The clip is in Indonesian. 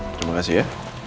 terima kasih ya